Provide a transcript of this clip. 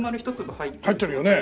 入ってるよね。